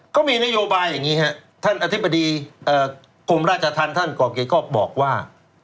ก็มีนโยบายอย่างงี้ฮะท่านอธิบดีกรมราชธรรพ์ท่านกรกรี๊กอบบอกว่า